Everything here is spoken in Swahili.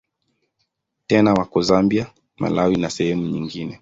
Tena wako Zambia, Malawi na sehemu nyingine.